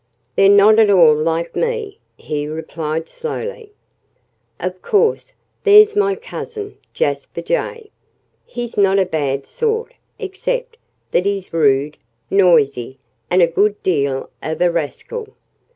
"They're not at all like me," he replied slowly. "Of course, there's my cousin, Jasper Jay. He's not a bad sort except that he's rude, noisy, and a good deal of a rascal.